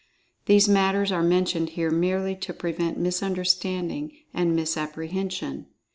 These matters are mentioned here merely to prevent misunderstanding and misapprehension.